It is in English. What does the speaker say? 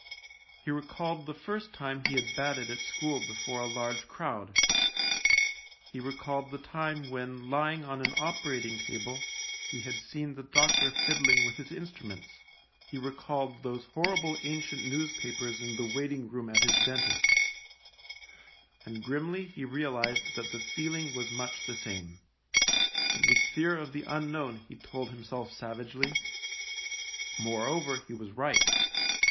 He recalled the first time he had batted at school before a large crowd : he recalled the time when, lying on an operating table, he had seen the doctor fiddling with his instruments : he recalled those horrible ancient newspapers in the waiting room at his dentist's : and grimly he realised that the feeling was much the same. It was fear of the unknown, he told himself savagely ; moreover, he was right.